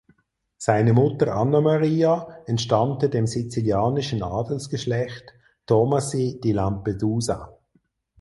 Seine Mutter Anna Maria entstammte dem sizilianischen Adelsgeschlecht Tomasi di Lampedusa.